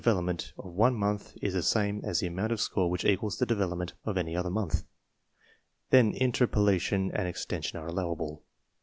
80 TESTS AND SCHOOL REORGANIZATION opment of one month is the same as the amount of score which equals the development of any other month. Then interpolation and extension are allowable.